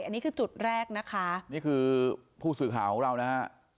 อันนี้คือจุดแรกนะคะนี่คือผู้สื่อข่าวของเรานะฮะ